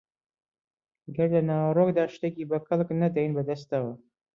گەر لە ناوەڕۆکدا شتێکی بە کەڵک نەدەین بەدەستەوە